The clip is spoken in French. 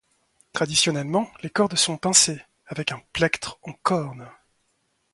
Traditionnellement les cordes sont pincées avec un plectre en corne.